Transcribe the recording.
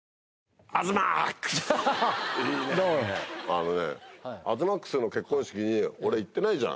あのね東ＭＡＸの結婚式に俺行ってないじゃん。